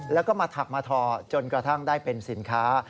แล้วก็มาถักมาทอจนกระทั่งได้เป็นสินค้า